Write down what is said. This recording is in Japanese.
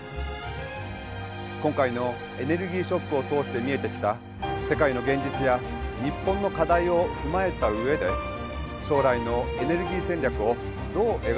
今回のエネルギーショックを通して見えてきた世界の現実や日本の課題を踏まえた上で将来のエネルギー戦略をどう描いていくのか。